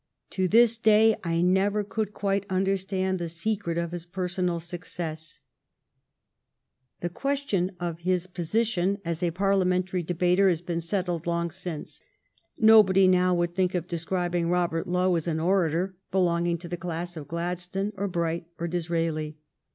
To this day I never could quite understand the secret of his personal success. The question of his posi 264 THE STORY OF GLADSTONE'S LIFE tion as a Parliamentary debater has been settled long since. Nobody now would think of describ ing Robert Lowe as an orator belonging to the class of Gladstone or Bright or Disraeli.